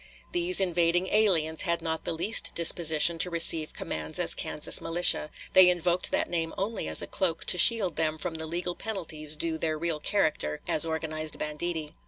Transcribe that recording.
These invading aliens had not the least disposition to receive commands as Kansas militia; they invoked that name only as a cloak to shield them from the legal penalties due their real character as organized banditti.